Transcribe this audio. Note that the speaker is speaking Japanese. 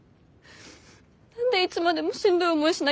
何でいつまでもしんどい思いしな